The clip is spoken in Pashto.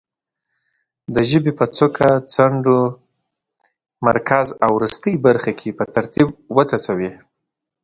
د ژبې په څوکه، څنډو، مرکز او وروستۍ برخو کې په ترتیب وڅڅوي.